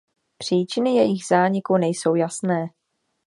Příčiny jejich zániku nejsou jasné.